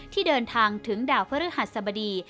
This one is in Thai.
ที่เดินทางถึงดาวพระฤหัสสบดี